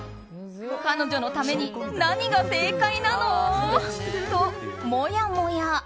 彼女のために何が正解なの？ともやもや。